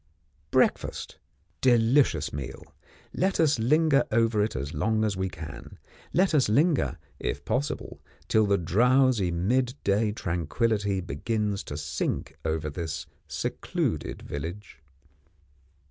Breakfast. Delicious meal, let us linger over it as long as we can, let us linger, if possible, till the drowsy mid day tranquillity begins to sink over this secluded village.